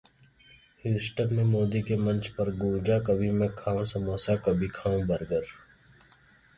Houston में मोदी के मंच पर गूंजा...कभी मैं खाऊं समोसा...कभी खाऊं बर्गर